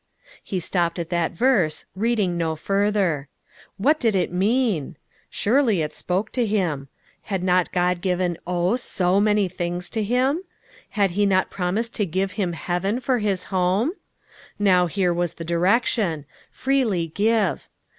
He stopped at that verse, reading no further. What did it mean I Surely it spoke to him. Had not God given, oh, so many things to him? Had He not promised to give him heaven for his home? Now, here was the direction: "Freely give."